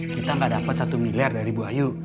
kita gak dapat satu miliar dari bu ayu